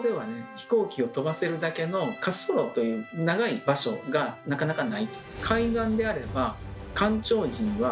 飛行機を飛ばせるだけの滑走路という長い場所がなかなかないと。